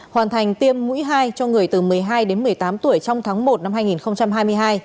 hoàn thành tiêm mũi hai cho người từ một mươi hai đến một mươi tám tuổi trong tháng một năm hai nghìn hai mươi hai